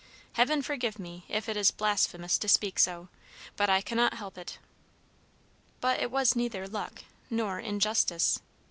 Heaven forgive me if it is blasphemous to speak so, but I cannot help it!" But it was neither "luck" nor "injustice."